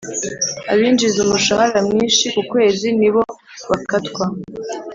abinjiza umushahara mwishi kukwezi nibo bakatwa